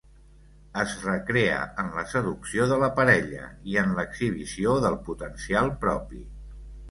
Es recrea en la seducció de la parella i en l'exhibició del potencial propi.